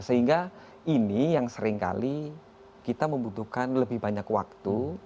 sehingga ini yang seringkali kita membutuhkan lebih banyak waktu